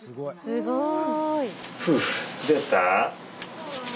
すごい。